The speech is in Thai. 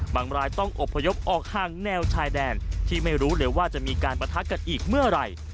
บางรายต้องอบพยพออกห่างแนวชายแดนที่ไม่รู้เลยว่าจะมีการประทะกันอีกเมื่อไหร่